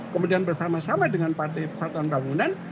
kemudian bersama sama dengan partai persatuan bangunan